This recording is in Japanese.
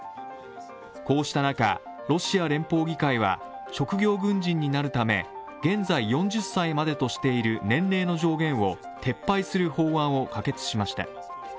こうした中、ロシア連邦議会は職業軍人になるため現在４０歳までとしている年齢の上限を撤廃する法案を可決しました。